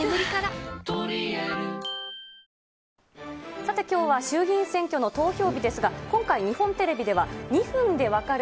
さてきょうは衆議院選挙の投票日ですが、今回、日本テレビでは２分でわかる！